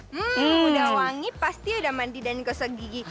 hmm udah wangi pasti udah mandi dan kosong gigi